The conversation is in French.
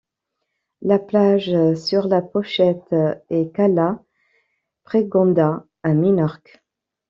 La plage sur la pochette est Cala Pregonda, à Minorque.